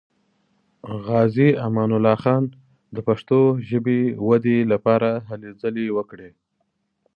غازي امان الله خان د پښتو ژبې ودې لپاره هلې ځلې وکړې.